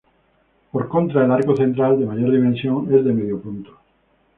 Por contra el arco central, de mayor dimensión es de medio punto.